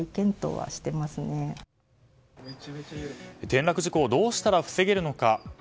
転落事故をどうしたら防げるのか。